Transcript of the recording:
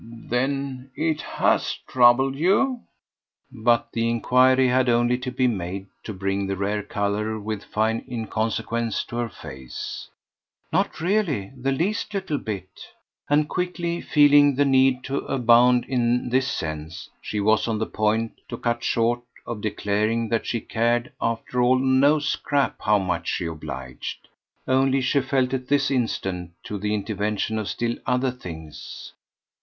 "Then it HAS troubled you?" But the enquiry had only to be made to bring the rare colour with fine inconsequence to her face. "Not really the least little bit!" And, quickly feeling the need to abound in this sense, she was on the point, to cut short, of declaring that she cared, after all, no scrap how much she obliged. Only she felt at this instant too the intervention of still other things.